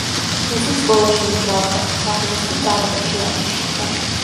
დღისით სკოლაში მუშაობდა, საღამოს კი კარატეში ვარჯიშობდა.